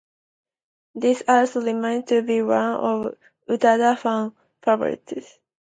This also remains to be one of Utada's fan favorites.